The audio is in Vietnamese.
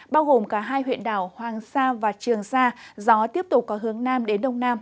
bao gồm cả hai huyện đảo hoàng sa và trường sa gió tiếp tục có hướng nam đến đông nam